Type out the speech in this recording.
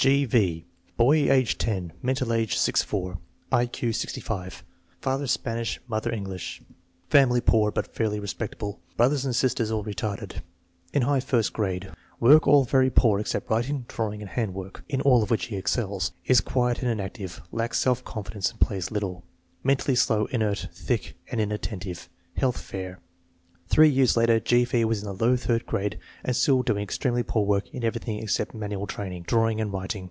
0. V. Boy, age 10; mental age Fio. c. BALL AND FIELD TEST. & 4; I Q OS. Father Spanish, I. M., AGE 14 2; MENTAL AGE o mother English. Family poor but fairly respect table. Brothers and sisters all retarded. In high first grade. Work all very poor except writing, drawing, and hand work, in all of which he excels. Is quiet and inactive, lacks self confidence, and plays little. Mentally slow, inert, "thick," and inattentive. Health fair. Three years later G. V. was in the low third grade and still doing extremely poor work in everything except manual training, drawing, and writing.